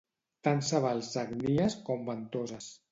Tant se val sagnies com ventoses.